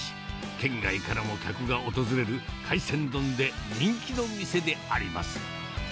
県外からも客が訪れる海鮮丼で人気の店であります。